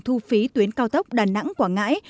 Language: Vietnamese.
thu phí tuyến cao tốc đà nẵng quảng ngãi